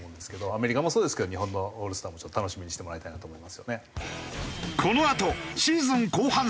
アメリカもそうですけど日本のオールスターも楽しみにしてもらいたいなと思いますよね。